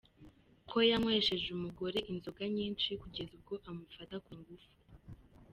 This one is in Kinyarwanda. ko yanywesheje umugore inzoga nyinshi kugeza ubwo amufata ku ngufu.